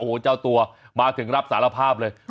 โอ้โหเจ้าตัวมาถึงรับสารภาพเลย